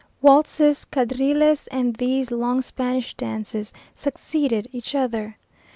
Waltzes, quadrilles, and these long Spanish dances, succeeded each other.